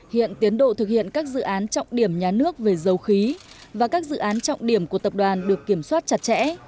hiện tiến độ thực hiện các dự án trọng điểm nhà nước về dầu khí và các dự án trọng điểm của tập đoàn được kiểm soát chặt chẽ